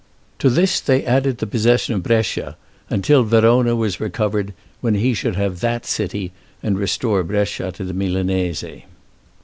To this they added the possession of Brescia, until Verona was recovered, when he should have that city and restore Brescia to the Milanese.